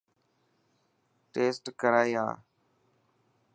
ٽيسٽ ڪرائي آءِ.